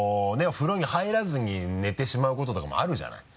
風呂に入らずに寝てしまうこととかもあるじゃない。